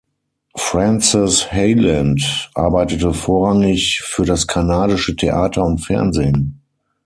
Frances Hyland arbeitete vorrangig für das kanadische Theater und Fernsehen.